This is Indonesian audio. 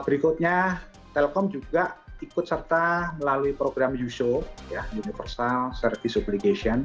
berikutnya telkom juga ikut serta melalui program usu universal service obligation